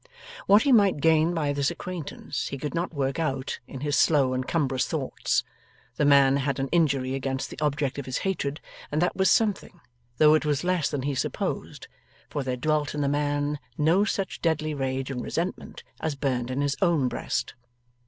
What he might gain by this acquaintance, he could not work out in his slow and cumbrous thoughts. The man had an injury against the object of his hatred, and that was something; though it was less than he supposed, for there dwelt in the man no such deadly rage and resentment as burned in his own breast.